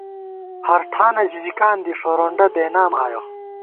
ہر ٹھانہ ژِژِکان دی ، ݭورونڈہ بېنام آیَہ